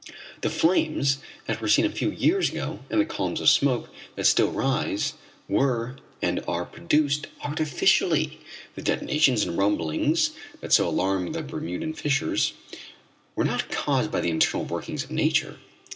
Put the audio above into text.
The flames that were seen a few years ago, and the columns of smoke that still rise were and are produced artificially. The detonations and rumblings that so alarmed the Bermudan fishers were not caused by the internal workings of nature.